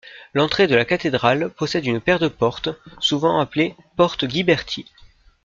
L'entrée de la cathédrale possède une paire de portes, souvent appelées Portes Ghiberti.